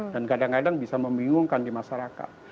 dan kadang kadang bisa membingungkan di masyarakat